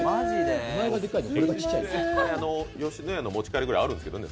吉野家の持ち帰りぐらいあるんですけどね。